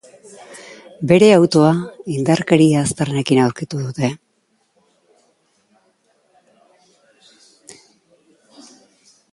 Bere autoa indarkeria aztarnekin aurkitu dute.